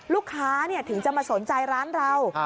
ลูกค้าถึงจะมาสนใจร้านเรา